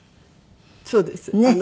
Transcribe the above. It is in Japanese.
そうです。ねえ。